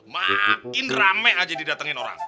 makin rame aja didatengin orang